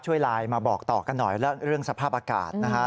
ไลน์มาบอกต่อกันหน่อยแล้วเรื่องสภาพอากาศนะฮะ